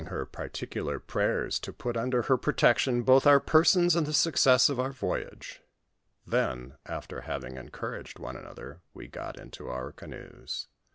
wm §^M ticnlar prayers to put under her protection both our persona and the success of our voyage. Then after having en couraged one another, we got into our canoes.